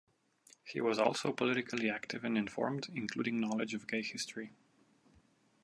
He was also politically active and informed, including knowledge of gay history.